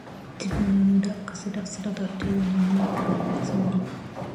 自分は無だ、風だ、空だ、というような思いばかりが募り、